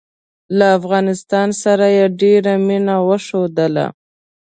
له افغانستان سره یې ډېره مینه وښودله.